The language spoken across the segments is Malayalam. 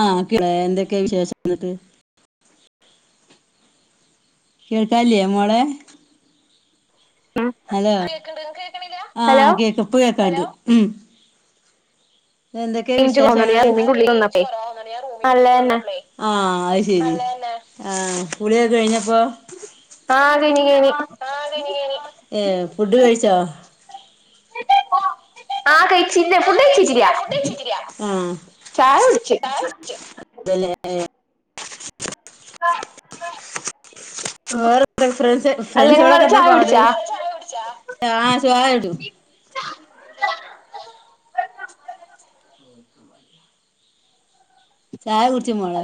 ആ എന്തൊക്കെ വിശേഷം ന്നിട്ട് കേൾക്കാലേ മോളെ ഹലോ ആ കേക്ക്ണ്ട് ഇങ്ങൾക്ക്കേൾക്ക് ണ്ല്ലാ ഉം എന്തൊക്കെവിശേഷങ്ങൾവിടെ റേഞ്ച് കൊറവാ ന്ന് ണ് ഞാൻ റൂമിന്ന് ള്ളിക്ക് വന്നപ്പളെ ആ ആ ഹ്ശരി ആ കുളിയൊക്ക കഴിഞ്ഞപ്പോ കയിഞ്ഞ് യിഞ്ഞ് ഏ ഫുഡ് കഴിച്ചോ ആ കഴി ച്ചില്ലഫുഡ് കഴിച്ചിട്ടില്ല ചായ കുടിച്ച് [inaudible] [unintelligible] വേറെ താ വി ഫ്ര ഫ്രണ്ട്സ് കന്താ പാട് ആ ചായ ടു ചായ കുടിച്ചൊ മോള്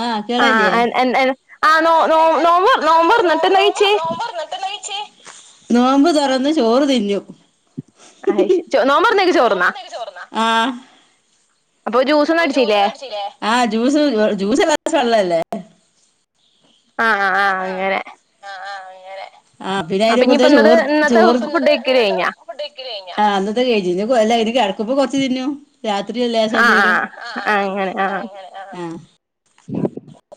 ആ കേളായില്ലേ ആ എന് എന്തായ്നൂ ആ നൊ നോമ്പ് തുറന്നീട്ടുണ്ടെണ്കീ നോമ്പ് തുറന്ന് ചോറ് തിഞ്ഞു ആയ്ച് നോമ്പറന്നേക്ക് ചോർന്നാ ആ അപ്പൊ ജ്യൂസൊന്നും അടിച്ചില്ലേ ആ ജ്യൂസ് ജ്യൂസ് എല്ലാദിവസോള്ളതല്ലേ ആ ആ ആ അങ്ങനെ ങ്ങനെ അപ്പൊ ഇനിപ്പൊ ഇന്നത് ഇന്നത്തെ ഫുഡ് കൈക്കല് കഴിഞ്ഞാ ആ ഇന്നത്തെ കഴിച്ചു ഇനി കൊല്ലാ ഇനി കിടക്കാ ഇപ്പ കൊറച്ചു തിന്നും രാത്രി ലേശം എന്തേലും ആ ആ ആ അങ്ങനെ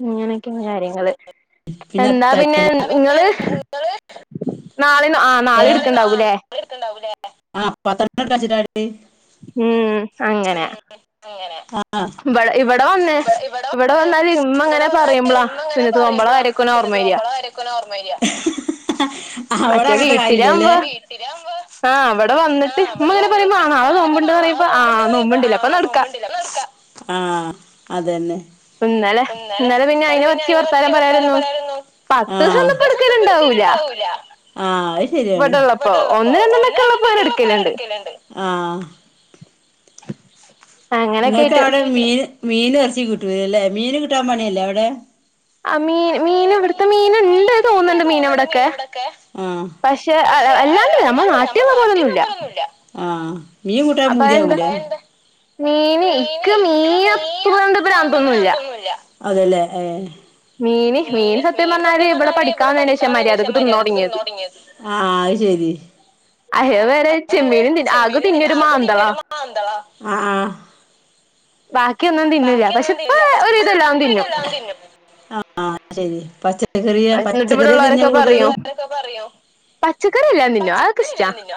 ഇങ്ങനൊക്കെയാണ് കാര്യങ്ങള് എന്താ പിന്നെ നിങ്ങള് നാളെ ആ നാളെ എടുക്കണ്ടാവൂല്ലേ ആ [unintelligible] ഉം അങ്ങനെ ഇവടെ ഇവടെ വന്നെ ഇവിടെ വന്നാല് ഇമ്മ അങ്ങനെ പറയുമ്പോളാ സുന്നത്ത് നോമ്പ് [unintelligible] വരികാ അവിടെ അങ്ങനത്തെ കാര്യല്ലാ ല്ലേ വീട്ടിലാകുമ്പം ആ അവിടെ അങ്ങനത്തെ ഉമ്മ അങ്ങനെ പറഞ്ഞാ നാളെ നോമ്പുണ്ടേന്നു പറയുമ്പോ ആ നൊമ്പുണ്ടല്ലെ ന്നാടിക്കാം ആ അത് തന്നെ ഇന്നലെ പിന്നെ അയ്നു പറ്റിയ പത്ത് ദിവസൊന്നും പ്പ എടുക്കലണ്ടാവൂല ആ അത് ശരിയാണ് ഇവിടൊള്ളപ്പോ ഒന്ന് രണ്ടെണ്ണക്കൊള്ളപ്പോ അവര് എടുക്കലൊണ്ട് ആ ഇങ്ങക്ക് അവിടെ മീന് മീനൂം ഇറച്ചി കിട്ടൂലല്ലേ മീന് കിട്ടാൻ പണിയല്ലേ അവിടെ ആ മീന് മീന് ഇവിടത്തെ മീന് ഇണ്ട് തോന്നുന്ന്ണ്ട് മീന് ഇവിടൊക്കെ ആ പക്ഷെ അല്ലാണ്ട് നമ്മള നാട്ടിലുള്ള പോലൊന്നൂല്ല ആ മീൻ കൂട്ടാൻ പൂതിയാവൂലെ മീനേ ക്ക് മീനത്റ്രണ്ട് പ്രാന്തൊന്നൂല്ലാ അതേല്ലേ ഏ മീന് മീൻ സത്യം പറഞ്ഞാല് ഇവിടെ പഠിക്കാന് വന്നൊനേഷൃ മര്യാദക്ക് തിന്നോടങ്ങിയത് ആ അയ്ശെരി അയ്യ വേറെ ചെമ്മീനും തി ആകെ തിന്നൊരു മാന്തളാ. ബാക്കിയൊന്നും തിന്നൂല, പക്ഷേ ഇപ്പോ ഒരു ഇതല്ലാം തിന്നും. [unintelligible] പച്ചക്കറി തിന്ന കൂടുതലും [unintelligible] പച്ചക്കറി എല്ലാം തിന്നും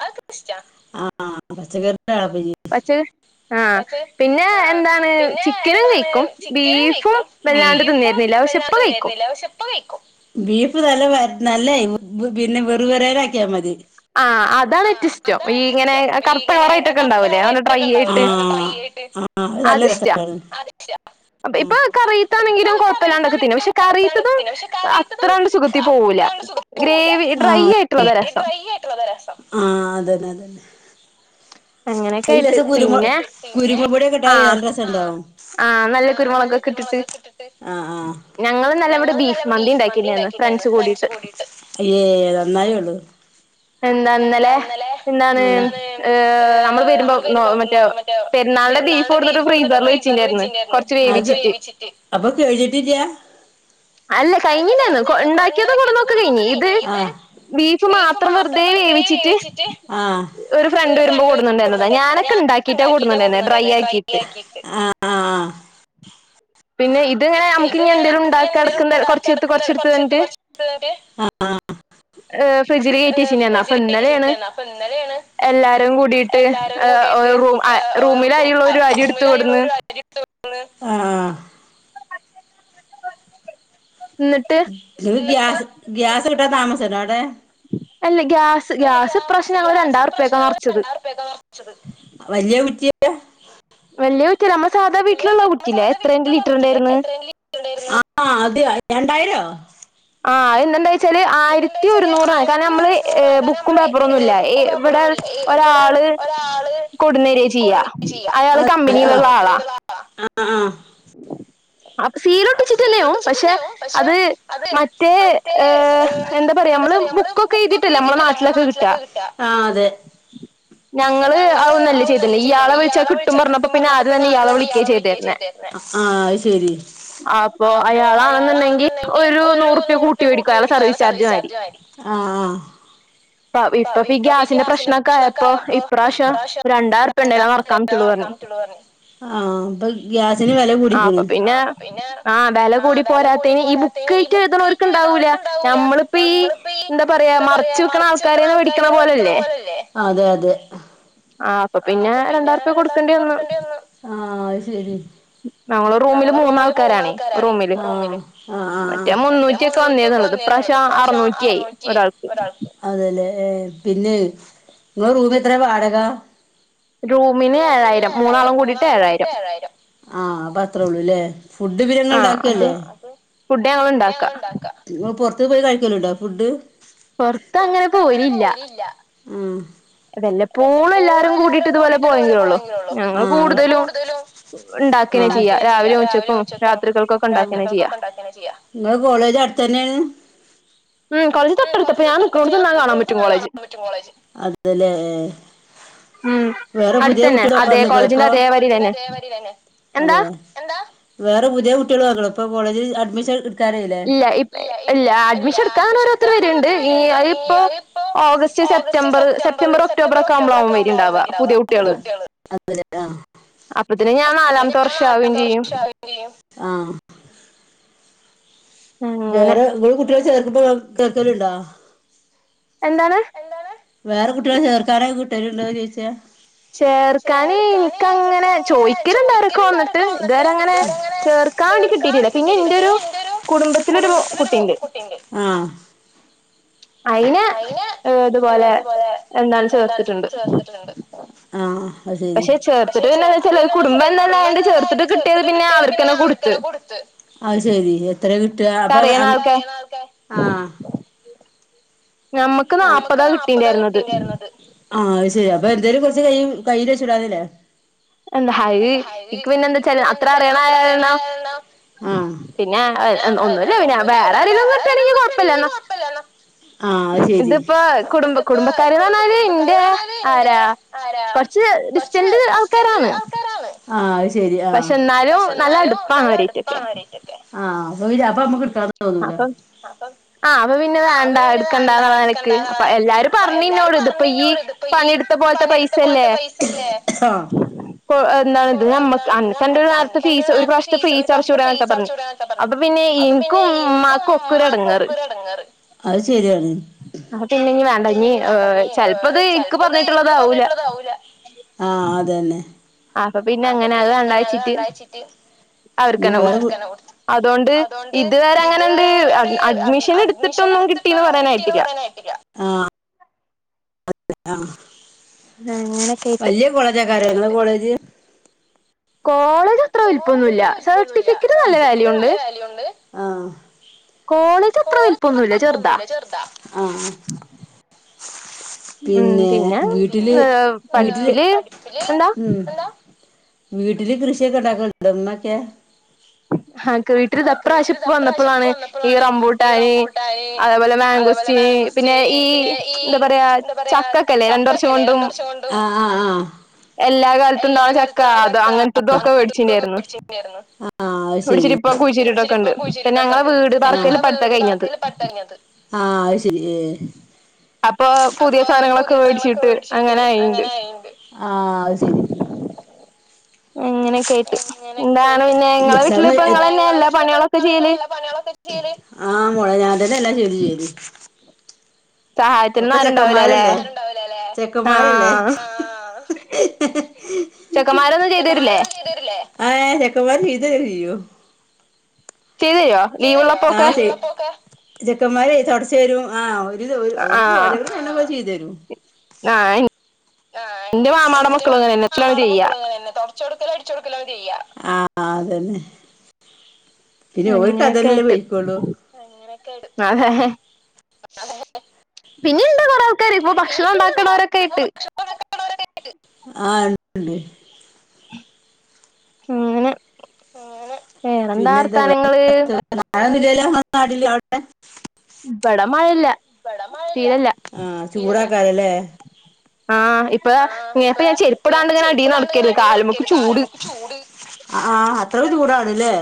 [unintelligible] ആ പച്ചക്കറി [unintelligible] ആ [unintelligible] ചിക്കനും കഴിക്കും, ബീഫും വല്ലാണ്ട് തിന്നായിരുന്നില്ല, പക്ഷേ ഇപ്പ കഴിക്കും. ബീഫ് നല്ല വെ നല്ലേ വ് ബ് പിന്നെ വെറ വെറേന ആക്കിയാൽ മതി. ആ അതാണ് ഏറ്റവും ഇഷ്ടം, ഈ ഇങ്ങനെ കറുത്ത കളറായിട്ടൊക്കെ ഇണ്ടാവുല്ലേ ന ഡട്രൈ ആയിട്ട് അത്ഷ് മ് [unintelligible] അപ് ഇപ്പ കറിത്താണെങ്കിലും കൊഴപ്പല്ലാണ്ടൊക്കെ തിന്നും, പക്ഷേ കറീത്തതും അത്ര കൊണ്ട് സുഖത്തി പോവൂല്ല, ഗ്രേവി ഡ്രൈ ആയിട്ടുള്ളതാ രെസം. അയില് ലേശം കുരുമൊ കുരുമു കുടെ കിട്ടാല് നല്ല രെസണ്ടാവും. ആ നല്ല കുരുമുളക്കെ ഇട്ടിട്ട് ഞങ്ങള് ഇന്നലെ ബീഫ് മന്തി ഇണ്ടാക്കിനന്ന് ഫ്രണ്ട്സ് കൂടിട്ട് എന്താ ഇന്നലെ എന്താണ് ഏ ആ അത് അപ്പോ [unintelligible] ആ എത്ര വെറുതെ വേവിച്ചിട്ട് ഒരു ഫ്രണ്ട് വരുമ്പോ കൊടുന്നുണ്ട്ണ്ടന്നതാ ഞാനൊക്കെണ്ടാക്കിട്ടാ കൊടുന്നുണ്ടന്നെ ഡ്രൈ ആക്കിയിട്ട് ആ ആ ആ ആ ആഹ് ഇ ഗ്യാസ് ഗ്യാസിട്ടാ താമസ ച്ചെതാടേ അല്ലെങ് വലിയ കുറ്റിയാ യാ വലിയ കുറ്റി നമ്മ സാധാ വീട്ടിലുള്ള കുറ്റില്ലേ എത്രൻ്റെ ലിറ്റർ ആയിരുന്ന് [inaudible] ആ ഇന്നന്താ ച്ചല് ആയിരത്തി ഒരുന്നൂറാണ് കാരണം നമ്മള് ബുക്കും പേപ്പറൊന്നും ഇല്ല ഇവിടെ ഒരാള് കൊടുന്നരി ചെയ്യ അയാള് കമ്പനിയിലുള്ള ആളാ അ ആ ആ അപ്പ ഷീല ഒട്ടിച്ചിട്ടെന്നെയാവും പക്ഷെ അത് മറ്റേ ഏ എന്താ പറയാ അമ്മൾ ബുക്കൊക്കെ എഴ്തിട്ട് അല്ലെ നമ്മളെ നാട്ടിലൊക്കെ കിട്ടാ ഞങ്ങൾ അയൊന്നും അല്ല ചെയ്ത്ണെ ഇയാളെ വിൾച്ചാ കിട്ടും പർണു അപ്പ പിന്നെ ആദ്യം തെന്നെ ഇയാളെ വിളിക്കെ ചെയ്തെര്ന്നെ അ ആ അയ് ശെരി അപ്പൊ അയാളാണെന്നുണ്ടെങ്കി ഒരു നൂറുപ്യ കൂട്ടിടിക്കും അയാളെ സർവീസ് ചാർജ് മാരി ഇപ്പ ഗ്യാസിന്റെ പ്രശ്നൊക്കെ ആയപ്പോ ഇപ്രാവശ്യം രറക്കാൻ പറ്റൂ പറ ഗ്യാസിന് വില കുടിക്ക പിന്നെ ആഹ വില കൂടി പോരാത്തന് ഈ ബുക്ക് കായിട്ട് എഴുതണവർക്കു ണ്ടാവൂല്ല നമ്മളിപ്പോ ഈ എന്താ പറയാ മറച്ച് വെക്കണ ആൾ കറീന്ന് പിടിക്കണ പോലല്ലേ അതെ അതെ ആഹ അപ്പൊ പിന്നെ രണ്ടായിരുപ കൊടുക്കേണ്ടി വന്നു ആ ശരി ഞമ്മ റൂമില് മൂന്നാൾക്കാരാണ മറ്റേ മുന്നൂറ്റിയൊക്കെ വന്നേതത് പ്രാവശ അറനൂറ്റിയായി ഒരാൾക്ക് ഏർ പിന്നെ നിങ്ങള റൂമ എത്ര വാടക റൂമിന് ഏഴായിരം മൂന്നാളും കൂടിട്ട് ഏഴായിരം ലെ ഫുഡ്‌ നിങ്ങള് ഉണ്ടാകലെ പുറത്ത് പോയി കഴിക്കലോണ്ടോ ഫുഡ് പൊറത്തു അങ്ങനെ പോലല്ല മ് വല്ലപ്പോഴും എല്ലാരും കൂടിട്ട് ഇതുപോലെ പോയെങ്കില ഉള്ളോ ഞങ്ങൾ കൂടുതലും ഉണ്ടാക്കനേ ചെയ്യാ ചെയ രാവിലെ ഉച്ചക്കും രാത്രികൾക്ക ഒക്കെ ഉണ്ടാക്ക ചെയ്യ കോളജ അടു തന്നെയ ഉം കോളേജ് തട്ടെടുത്ത അപ്പൊ ഞാൻ നിക്കോ തന്നാൽ കാണാൻ പറ്റും കോളേജ് വേറെ പുതിയ കുട്ടികളക്കെ വന്നില്ലപ്പോ അതെ വേറെ പുതിയ കുട്ടികള ഇപ്പോൾ കോളേജിൽ അഡ്മിഷൻ ഇല്ല ഇ ഇല്ല അഡ്മിഷൻ എടുക്കാൻ ഓരോരുത്തർ വരുണ്ട് ഈ ഇപ്പോ ഓഗസ്റ്റ് സെപ്റ്റംബർ സെപ്റ്റംബർ ഒക്ടോബറ് ഒക്കെ ആവുമ്പോളാവും വരിണ്ടാവാ പുതിയ കുട്ടികള് അപ്പത്തന്നെ ഞാൻ നാലാമത്തെ വർഷ ആവയും ചെയ്യും [unintelligible] വേറെ ഇവി കുട്ടിക [unintelligible] ചർക്ക് കേർക്കലണ്ടാ [unintelligible] വേറെ കുട്ടികള ചേർക്കാരായ കൂട്ടുകാരുണ്ടോ ചോയ്ച്ചേ ചേർക്കാന് എനിക്കങ്ങനെ ചോദിക്കലണ്ടരൊക്കെ വന്നിട്ട് ഇതൊരെ അങ്ങനെ ചേർക്കാൻ വേണ്ടി കിട്ടിട്ടില്ല പിന്നെ എന്റെ ഒരു കുടുംബത്തിലൊരു കുട്ടിണ്ട് അയിനെ ഇതുപോലെ എന്താൽ ചേർത്തിട്ടുണ്ട് ആഹ് പക്ഷെ ചേർത്തിട്ട് പിന്ന വെച്ചാല് കുടുംബം എല്ലല്ലോ ചേർത്തിട്ട് കിട്ടിയത് പിന്നെ അവർക്കെന്നെ കൊടുത്ത് അത് ശരി എത്ര കിട്ടാ അപ്പൊ ആ നമ്മക്ക് നാപ്പതാ കിട്ടീണ്ടായിരുന്നത് ആ അത് ശരി അപ്പൊ എന്തേലും കുറച്ച് കഴിയും കയ്യില ചുടന്നല്ലേ [unintelligible] എന്താ ഹയ് എനിക്ക് പിന്നെ എന്താച്ചാല് അത്ര അറിയണ ആളായാരണം പിന്നെ ഒന്നില്ല പിന്നെ വേറാരേലൊന്ന് ട്ടന്നാ കൊഴപ്പില്ലാ ആ ഇതിപ്പോ കുടുംബ കുടുംബക്കാര്ന്ന് പറഞ്ഞാല് എന്റെ ആരാ കൊറച്ച് ഡിസ്റ്റന്റ് ആൾക്കാരാണ് ആഹ് ശരി ആ പക്ഷെ എന്നാലും നല്ല അടുപ്പാണ് വരീറ്റൊക്കേ ആ വ അപ്പം മക്ക് [unintelligible] അപ്പൊ ആഹ് അത് പിന്നെ വേണ്ട എടുക്കണ്ടാന്നാ വളീ എന്താണാൾക്ക് എല്ലാരും പറഞ്ഞ് ഇന്നോട് ഇത് ഇപ്പൊ ഈ പണിയെടുത്ത പോലത്തെ പൈസയല്ലേ എന്താണത് നമ്മക്ക് അന്ന് തന്റെ നേരത്തെ ഫീസ് ഒരു പ്രാവശ്യത്തെ ഫീസ് അടച്ചു കൂടന്നൊക്കെ പറഞ്ഞ് അപ്പൊ പിന്നെ എനിക്കും ഉമ്മാക്കും ഒക്കര് അടങ്ങാറ് അത് ശെരിയാണ് അപ്പ പിന്നെ ഇനി വേണ്ട ചെലപ്പത് എനിക്ക് പറഞ്ഞിട്ടുള്ളതാവൂല ആ അതെന്നെ അപ്പൊ പിന്നെ അങ്ങനെ അത് വേണ്ടയച്ചിട്ട് അവർക്കെന്നെ കൊടുത്തു അതുകൊണ്ട് ഇത് വരെ അങ്ങനെണ്ട് അഡ്മിഷൻ എടുത്തിട്ടൊന്നും കിട്ടീന്ന് പറയാനായിട്ടില്ല ട്ടില്ല ആ അതെ ആ ആ അങ്ങനെ കേട്ട് കാര്യങ്ങള് കോളേജ് കോളേ [unintelligible] അത്ര വിലിപ്പൊന്നുല്ല സർട്ടിഫിക്കറ്റ് നല്ല വാല്യു ഉണ്ട് ആ കോളേജ് അത്ര വലിപ്പൊന്നുല്ല ചെറുതാ ഉം പിന്നെ ഏ പഠിപ്പില് എന്താ വീട്ടില് കൃഷിയൊക്കെ [inaudible] [unintelligible] ഹനക്ക് വീട്ടില് [unintelligible] പ്രാവശ്യം വന്നപ്പളാണ് ഈ റംബൂട്ടാന് അതേപോലെ മാങ്കോസ്റ്റീന് പിന്നെ ഈ എന്താ പറയാ എന്താ പറയാ ചക്ക ഒക്കെ ഇല്ലേ രണ്ട് വർഷം കൊണ്ടും ആ ആ ആ എല്ലാ കാലത്തും ഉണ്ടാവണ ആ ചക്ക അങ്ങനത്തതൊക്കെ വേടിച്ചിണ്ടായിരുന്നു ഒടിച്ചിരി ഇപ്പം കുഴിച്ചിരീടോക്കെ ഉണ്ട് പിന്നെ ഞങ്ങളെ വീട് പറക്കൽ പടുത്ത കഴിഞ്ഞത് ആഹ് അയ്ശെ [inaudible] അം അയ്ശെരി എക്സാമുവായിട്ട് അം മോളെ ഞാൻ തന്നാ എല്ലാം ജോലി ചെയ്യല് സഹായത്തിനൊന്നും ആരുംണ്ടാവൂല അല്ലേ ആഹ് ചെക്കമ്മാരൊന്നും ചെയ്ത് തരില്ലേ ആഏ ചെക്കമ്മാര് ചെയ്തരും ഇയ്യോ ചെയ്തരുവോ ലീവ് ഉള്ളപ്പോക്കെ ചെക്കമ്മാരെയ് തൊട്ച്ചെരും ആ ഓ ൽ ഓര്ക്ക് ഓലോട് പർണാ ഓൽ ചെയ്തെരും ആ ഇന്റെ മാമാടെ മക്കളും അങ്ങനെയെന്നെ തൊട് ച്ചൊട്ക്കെലും അട്ച്ചൊട്ക്കെലും ഒക്കെ ചെയ്യാ ആ അതെന്നെ പിന്നെ ഓര്ക്ക് അതെനെല്ലെ വെയ്ക്കോള്ളു അങ്ങനെ ഒക്കെ [unintelligible] അതെ പിന്നിം ഇണ്ട് കൊറെ ക്കറിം ഇപ്പോ ഭക്ഷണം ഇണ്ടാക്ക്ണോരൊക്കെ ആയിട്ട് ക്ക്ണോര് ഓക്കെ ആയിറ്റ് ആ ഇണ്ട് അങ്ങനെ അങ്ങനെ പിന്നെ എന്താ വെ [unintelligible] [unintelligible] ഇ ബെടെ മഴയില്ല ആ ചൂട്‌ ആ ക്കയലേ ആഹ് ഇപ്പ ഇപ്പം ചെരിപ്പിടാണ്ടിങ്ങനെ അടീന്ന് നടക്കായ്നു കാൽമ്മക്ക് ചൂട് ആഹ് ഇങ്ങക്ക് ചൂടാണ് ല്ലേ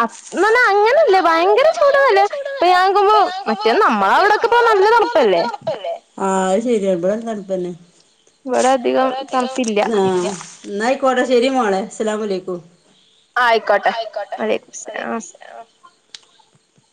അ ന്ന്ന്നാ അങ്ങനല്ല ഭയങ്കര ചൂട്ന്ന് അല്ല ഇപ്പം ഞാൻ നോക്കുമ്പോ മറ്റേത് നമ്മളവിടൊക്കെ ഇപ്പം നല്ല തണുപ്പല്ലേ ആഹ് അയ്ശെരിയ ഇബടിം തണുപ്പന്നെ ഇവരധികം [unintelligible] ആഹ് ന്ന യ് പോട്ടെ ശരി മോളെ അസ്സലാമു അലൈക്കും ആ ആയിക്കോട്ടെ വലൈകും സലാം വലൈക്കുമുസ്സലാം